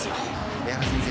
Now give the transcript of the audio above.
江原先生。